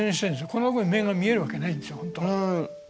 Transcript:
この部分に目が見えるわけないんですよ本当は。